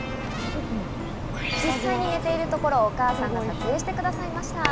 実際に寝ているところをお母さんが撮影してくださいました。